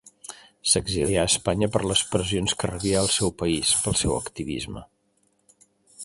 S'exilià a Espanya per les pressions que rebia al seu país pel seu activisme.